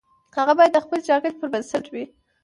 هغه باید د خپلې ټاکنې پر بنسټ وي.